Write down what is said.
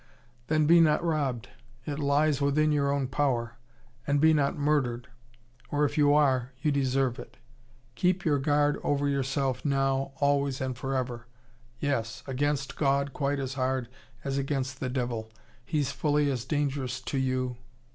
Then be not robbed: it lies within your own power. And be not murdered. Or if you are, you deserve it. Keep your guard over yourself, now, always and forever. Yes, against God quite as hard as against the devil. He's fully as dangerous to you....